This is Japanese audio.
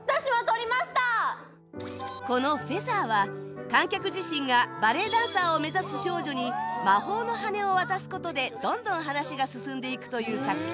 この『Ｆｅａｔｈｅｒ』は観客自身がバレエダンサーを目指す少女に魔法の羽根を渡す事でどんどん話が進んでいくという作品